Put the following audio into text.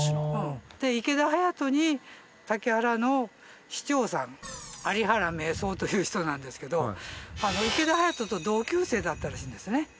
池田勇人に竹原の市長さん有原明三という人なんですけど池田勇人と同級生だったらしいんですね。